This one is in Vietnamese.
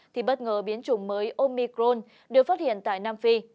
thì bất ngờ biến chủng mới omicron được phát hiện tại nam phi